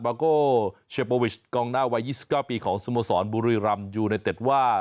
บากโกเชปโปวิชกองหน้าวัยยิสก้าวปีของสมสรบุรีรัมย์อยู่ในเต็ดว่า